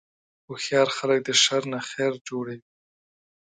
هوښیار خلک د شر نه خیر جوړوي.